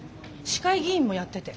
市会議員もやってて。